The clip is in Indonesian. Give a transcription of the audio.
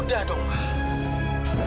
udah dong ma